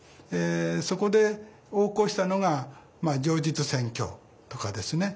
そこで横行したのが情実選挙とかですね